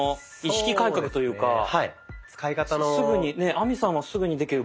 すぐに亜美さんはすぐにできる。